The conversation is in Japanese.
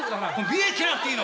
見え切らなくていい。